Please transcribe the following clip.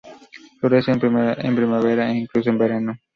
Florece en primavera e incluso en verano.